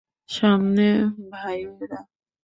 সামলে, ভাইয়েরা।